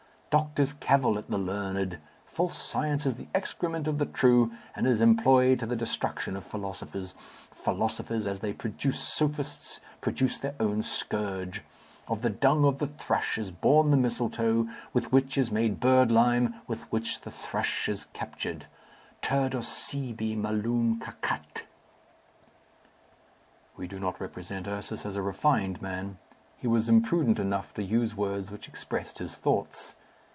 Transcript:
Doctors cavil at the learned. False science is the excrement of the true, and is employed to the destruction of philosophers. Philosophers, as they produce sophists, produce their own scourge. Of the dung of the thrush is born the mistletoe, with which is made birdlime, with which the thrush is captured. Turdus sibi malum cacat." We do not represent Ursus as a refined man. He was imprudent enough to use words which expressed his thoughts.